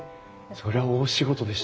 それは大仕事でしたね。